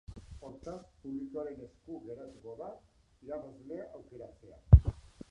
Hortaz, publikoaren esku geratuko da irabazlea aukeratzea.